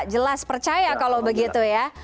jelas percaya kalau begitu ya